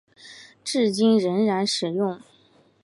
至今仍然使用。